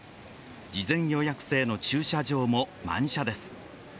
事前予約制の駐車場も満車です。